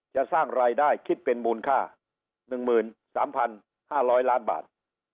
จะสร้างรายได้คิดเป็นมูลค่า๑๓๕๐๐ล้านบาท